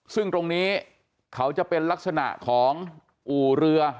ซึ่งตรงนี้เขาจะเป็นลักษณะของอู่เรือ